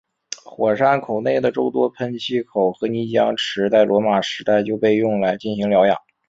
火山口内的众多喷气口和泥浆池在罗马时代就被用来进行疗养。